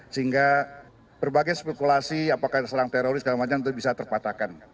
sehingga berbagai spekulasi apakah itu serang teroris dan lain lain itu bisa terpatahkan